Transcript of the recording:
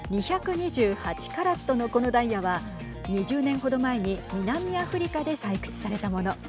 ２２８カラットのこのダイヤは２０年ほど前に南アフリカで採掘されたもの。